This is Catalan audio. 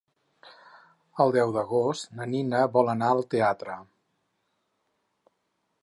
El deu d'agost na Nina vol anar al teatre.